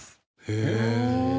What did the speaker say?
へえ。